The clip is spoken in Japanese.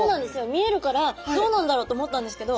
見えるからどうなんだろうと思ったんですけど。